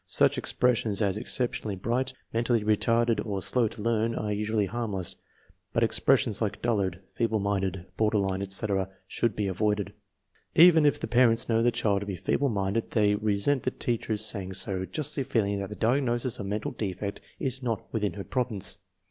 Such expressions as " exceptionally bright," " mentally retarded," or "slow to learn," are usually harmless; but expressions like "dullard," "feeble minded," "border line," etc., should be avoided. Even if the parents know the child to be feeble minded they resent the teacher's saying so, justly feeling that the diagnosis of mental defect is not within her province.